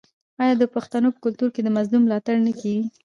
آیا د پښتنو په کلتور کې د مظلوم ملاتړ نه کیږي؟